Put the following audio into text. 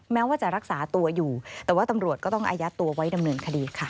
แม้ว่าจะรักษาตัวอยู่แต่ว่าตำรวจก็ต้องอายัดตัวไว้ดำเนินคดีค่ะ